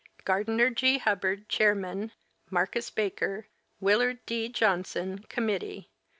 Gardiner G. Hubbard, Chairman^ Marcus Baker, WiLLARD D. Johnson, Committee.